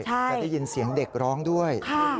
จะได้ยินเสียงเด็กร้องด้วย